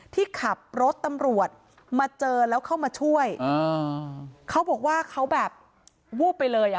ที่ขับรถตำรวจมาเจอแล้วเข้ามาช่วยอ่าเขาบอกว่าเขาแบบวูบไปเลยอ่ะ